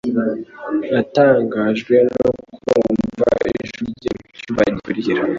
Natangajwe no kumva ijwi rye mucyumba gikurikira